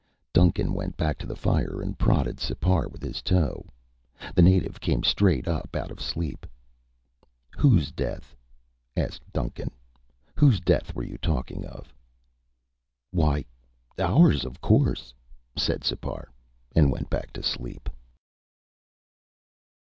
Duncan went back to the fire and prodded Sipar with his toe. The native came straight up out of sleep. "Whose death?" asked Duncan. "Whose death were you talking of?" "Why, ours, of course," said Sipar, and went back to sleep.